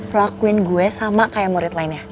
lakuin gue sama kayak murid lainnya